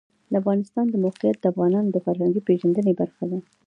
د افغانستان د موقعیت د افغانانو د فرهنګي پیژندنې برخه ده.